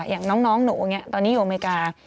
อย่างน้องหนูตอนนี้อยู่อเมริกา